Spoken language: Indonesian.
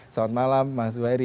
selamat malam mas zuhairi